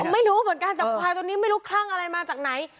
ไม่รู้เหมือนกันแต่ควายตัวนี้ไม่รู้คลั่งอะไรมาจากไหน